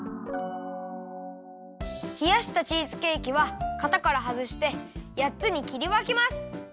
ひやしたチーズケーキはかたからはずしてやっつにきりわけます。